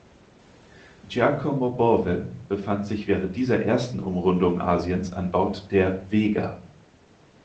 Giacomo Bove befand sich während dieser ersten Umrundung Asiens an Bord der "Vega".